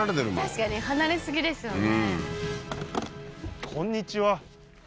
確かに離れすぎですよね